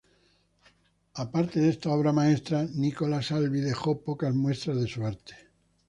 Aparte de esta obra maestra, Nicola Salvi dejó pocas muestras de su arte.